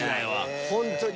ホントに。